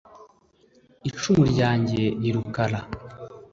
Icumu ryanjye ni Rukara